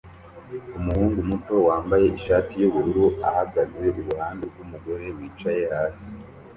Umuhungu muto wambaye ishati yubururu ahagaze iruhande rwumugore wicaye hasi